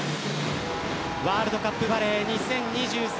ワールドカップバレー２０２３